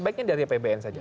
baiknya dari apbn saja